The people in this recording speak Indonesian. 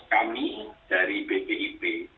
kami dari bpip